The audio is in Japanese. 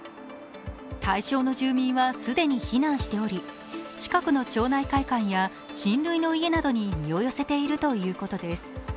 対象の住民は既に避難しており、近くの町内会館や親類の家などに身を寄せているということです。